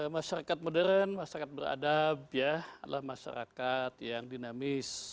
masyarakat modern masyarakat beradab ya adalah masyarakat yang dinamis